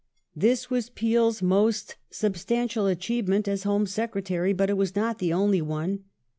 This was Peel's most substantial achievement as Home Secretary, but it was not the only one.